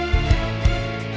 nama itu apa